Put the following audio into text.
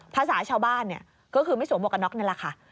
ภาษาชาวบ้านเนี่ยก็คือไม่สวมหวกกันน็อกนั่นแหละค่ะ